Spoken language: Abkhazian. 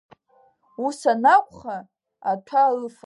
Ус анакәха, аҭәа ыфала!